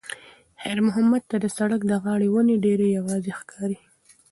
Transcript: خیر محمد ته د سړک د غاړې ونې ډېرې یوازې ښکارېدې.